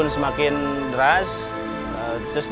nah gimana hundang tua tua tadi